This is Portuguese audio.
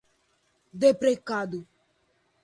deprecado